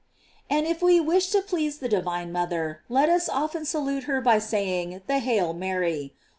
f And if we wish to please the divine mother, let us often salute her by saying the "Hail Mary."